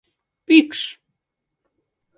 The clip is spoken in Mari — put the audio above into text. Пӱкш!